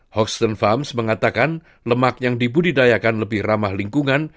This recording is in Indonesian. hoxton farms mengatakan lemak yang dibudidayakan lebih ramah lingkungan